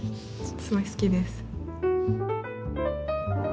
すごい好きです。